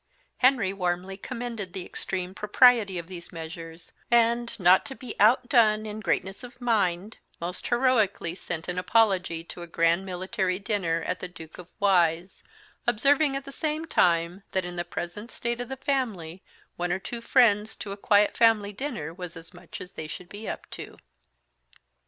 Henry warmly commended the extreme propriety of these measures; and, not to be outdone in greatness of mind, most heroically sent an apology to a grand military dinner at the Duke of Y 's; observing, at the same time, that, in the present state of the family, one or two friends to a quiet family dinner was as much as they should be up to.